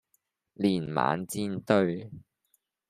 年晚煎堆